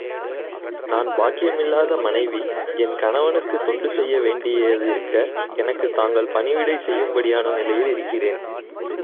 நான் பாக்கியமில்லாத மனைவி, என் கணவனுக்குத் தொண்டு செய்ய வேண்டியதிருக்க, எனக்குத் தாங்கள் பணிவிடை செய்யும்படியான நிலையில் இருக்கிறேன்.